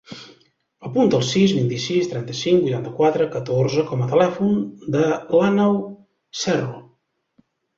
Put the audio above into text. Apunta el sis, vint-i-sis, trenta-cinc, vuitanta-quatre, catorze com a telèfon de l'Aneu Cerro.